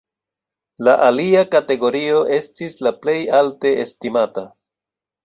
La alia kategorio estis la plej alte estimata.